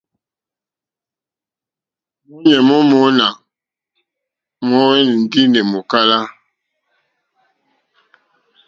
Mɔ̌ɲɛ̀ mó mòná hwɛ́nɛ́ ndí nà è mòkálá.